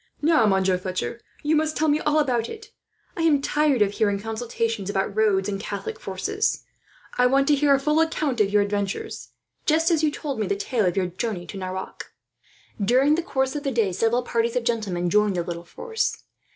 "Now, Monsieur Philip, you must tell me all about it. I am tired of hearing consultations about roads and Catholic forces. I want to hear a full account of your adventures, just as you told me the tale of your journey to Nerac." During the course of the day, several parties of gentlemen joined the little force.